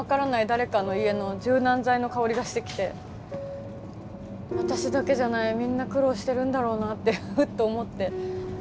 誰かの家の柔軟剤の香りがしてきて私だけじゃないみんな苦労してるんだろうなってふっと思って。